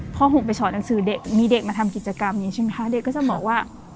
พอหกไปสอนหนังสือเด็กมีเด็กมาทำกิจกรรมนี้ใช่ไหมคะเด็กก็จะบอกว่า